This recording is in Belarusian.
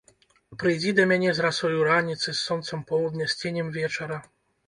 Прыйдзі да мяне з расою раніцы, з сонцам поўдня, з ценем вечара.